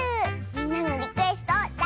みんなのリクエストをだ